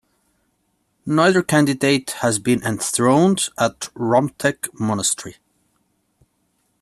Neither candidate has been enthroned at Rumtek Monastery.